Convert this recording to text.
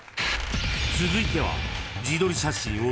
［続いては］